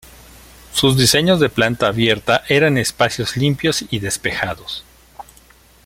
Sus diseños de planta abierta eran espacios limpios y despejados.